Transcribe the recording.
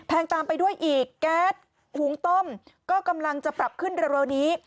ตามไปด้วยอีกแก๊สหุงต้มก็กำลังจะปรับขึ้นเร็วนี้